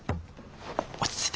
落ち着いて。